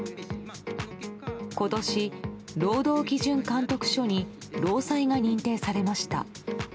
今年、労働基準監督署に労災が認定されました。